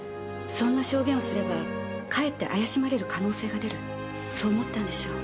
そんな証言をすればかえって怪しまれる可能性が出るそう思ったんでしょう。